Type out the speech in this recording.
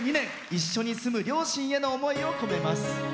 一緒に住む両親への思いを込めます。